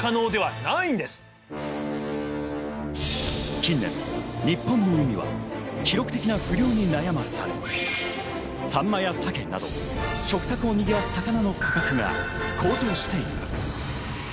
近年、日本には記録的な不漁に悩まされ、サンマやサケなど食卓をにぎわす魚の価格が高騰しています。